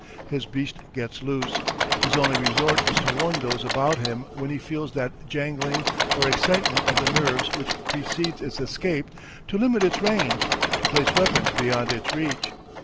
His beast gets loose. His only resort is to warn those about him when he feels that jangling or excitement of the nerves which precedes its escapes, to limit its range, to place weapons beyond its reach.